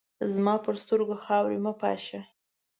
زما پر سترګو خاوري مه پاشه !